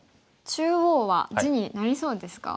中央は地になりそうですか？